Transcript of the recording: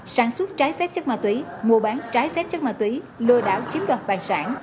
sản xuất trái phép chất ma túy mua bán trái phép chất ma túy lừa đảo chiếm đoạt tài sản